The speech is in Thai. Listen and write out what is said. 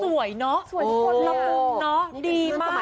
สวยเนาะ